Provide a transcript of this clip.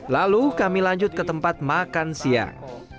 lalu kami lanjut ke tempat makan siang